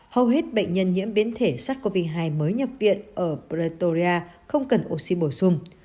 hầu hết bệnh nhân nhiễm biến thể sars cov hai mới nhập viện ở pretoria không cần oxy bổ sung